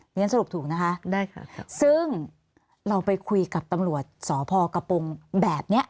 งั้นสรุปถูกนะคะซึ่งเราไปคุยกับตำรวจสพกปแบบนี้